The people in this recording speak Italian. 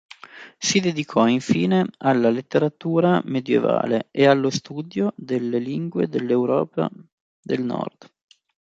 Si dedicò infine alla letteratura medievale e allo studio delle lingue dell'Europa del Nord.